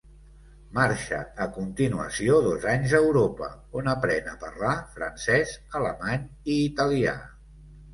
Marxa a continuació dos anys a Europa, on aprèn a parlar francès, alemany i italià.